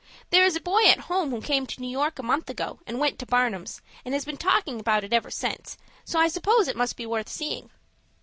"There is a boy at home who came to New York a month ago, and went to Barnum's, and has been talking about it ever since, so I suppose it must be worth seeing."